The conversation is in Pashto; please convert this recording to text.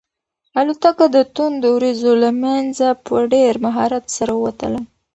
الوتکه د توندو وریځو له منځه په ډېر مهارت سره ووتله.